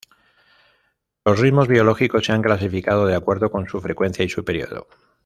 Los ritmos biológicos se han clasificado de acuerdo con su frecuencia y su periodo.